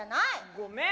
ごめん。